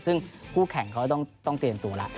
ซึ่งคู่แข่งเขาต้องเตรียมตัวแล้ว